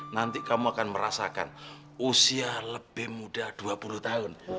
nanti kamu akan merasakan usia lebih muda dua puluh tahun